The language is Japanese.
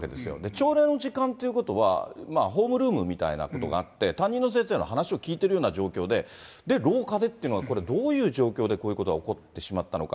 朝礼の時間ということは、ホームルームみたいなことがあって、担任の先生の話を聞いてるような状況で、廊下でっていうのが、これ、どういう状況で、こういうことが起こってしまったのか。